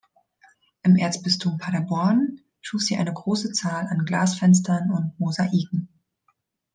Im Erzbistum Paderborn schuf sie eine große Zahl an Glasfenstern und Mosaiken.